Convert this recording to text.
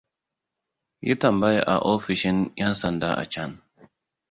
Yi tambaya a ofishin yan sanda a can.